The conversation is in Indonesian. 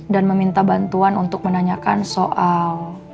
dan meminta bantuan untuk menanyakan soal